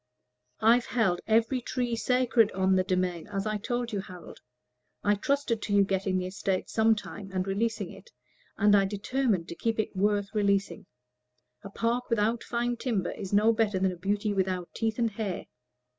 "I've held every tree sacred on the demesne, as I told you, Harold. I trusted to your getting the estate some time, and releasing it; and I determined to keep it worth releasing. A park without fine timber is no better than a beauty without teeth and hair."